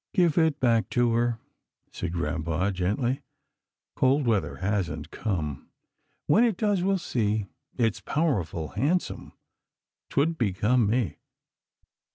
''" Give it back to her," said grampa, gently, " cold weather hasn't come. When it does, we'll see. It's powerful handsome. 'Twould become me."